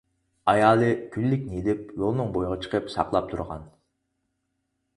ئايالى كۈنلۈكنى ئېلىپ يولنىڭ بويىغا چىقىپ ساقلاپ تۇرغان.